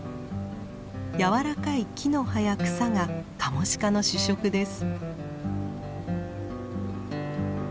柔らかい木の葉や草がカモシカの主食です。